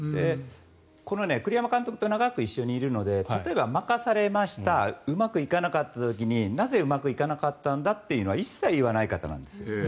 栗山監督と長く一緒にいるので例えば任されましたうまくいかなかった時になぜ、うまくいかなかったんだというのは一切言わない方なんです。